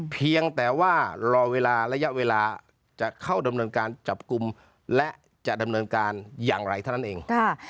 เพียงแต่ว่ารอเวลาระยะเวลาจะเข้าดำเนินการจับกลุ่มและจะดำเนินการอย่างไรเท่านั้นเอง